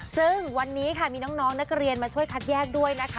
ซึ่งวันนี้ค่ะมีน้องนักเรียนมาช่วยคัดแยกด้วยนะคะ